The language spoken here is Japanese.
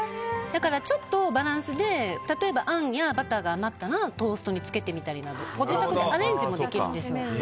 だから、バランスであんやバターが余ったらトーストに付けてみたりとかご自宅でアレンジもできるんです。